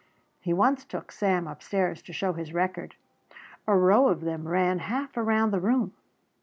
He once took Sam upstairs to show his record. A row of them ran half around the room.